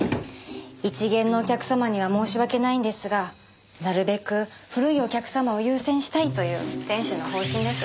一見のお客様には申し訳ないんですがなるべく古いお客様を優先したいという店主の方針です。